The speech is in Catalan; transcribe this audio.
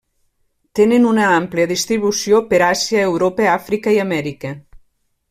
Tenen una àmplia distribució per Àsia, Europa, Àfrica i Amèrica.